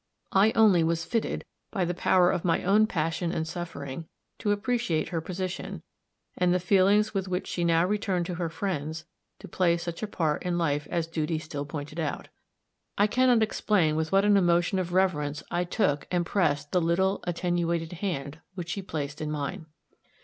I only was fitted, by the power of my own passion and suffering, to appreciate her position, and the feelings with which she now returned to her friends, to play such a part in life as duty still pointed out. I can not explain with what an emotion of reverence I took and pressed the little, attenuated hand which she placed in mine.